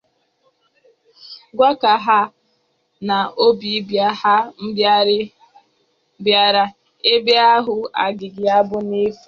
gwakwa ha na ọbịbịa ha bịara ebe ahụ agaghị abụ n'efu.